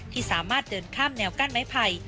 ที่สามารถเดินข้ามแนวกั้นไม้ไผ่